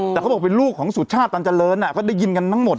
แต่เค้าบอกว่าเป็นลูกของสุชาติตัวตรางเจริญแล้วเขาได้ยินกันทั้งหมดอะ